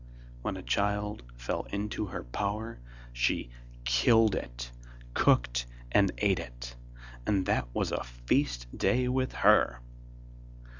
When a child fell into her power, she killed it, cooked and ate it, and that was a feast day with her.